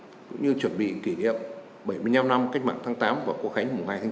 cũng như chuẩn bị kỷ niệm bảy mươi năm năm cách mạng tháng tám và quốc khánh mùng hai tháng chín